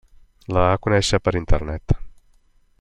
La va conèixer per Internet.